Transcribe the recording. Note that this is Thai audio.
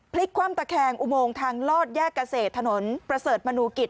คว่ำตะแคงอุโมงทางลอดแยกเกษตรถนนประเสริฐมนูกิจ